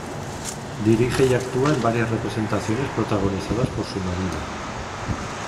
Dirige y actúa en varias representaciones protagonizadas por su marido.